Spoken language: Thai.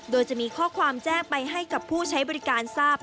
โดยจะมีข้อความแจ้งไปให้กับผู้ใช้บริการทราบ